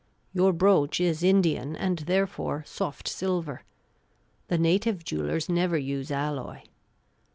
Your brooch is Indian, and therefore soft silver. The native jewellers never use alloy.